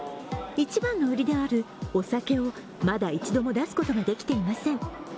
一番のウリであるお酒をまだ一度も出すことができていません。